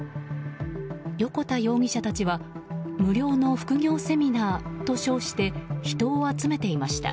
横田容疑者たちは無料の副業セミナーと称して人を集めていました。